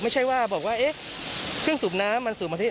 ไม่ใช่ว่าบอกว่าเอ๊ะเครื่องสูบน้ำมันสูบมาที่